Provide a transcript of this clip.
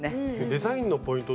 デザインのポイント